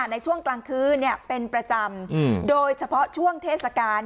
ในช่วงกลางคืนเป็นประจำโดยเฉพาะช่วงเทศกาล